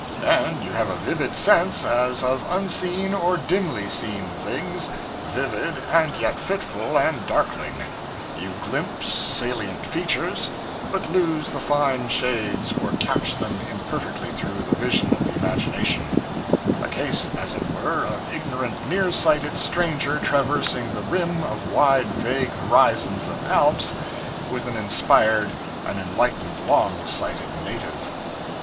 And you have a vivid sense as of unseen or dimly seen things vivid, and yet fitful and darkling; you glimpse salient features, but lose the fine shades or catch them imperfectly through the vision of the imagination: a case, as it were, of ignorant near sighted stranger traversing the rim of wide vague horizons of Alps with an inspired and enlightened long sighted native.